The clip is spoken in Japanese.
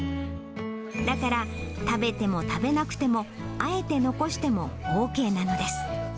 だから、食べても食べなくても、あえて残してもＯＫなのです。